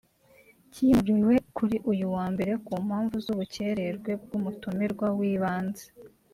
kimuriwe kuri uyu wa Mbere ku mpamvu z’ubucyererwe bw’umutumirwa w’ibanze